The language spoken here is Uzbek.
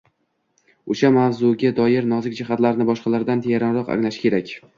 o‘sha mavzuga doir nozik jihatlarni boshqalardan teranroq anglashi kerak.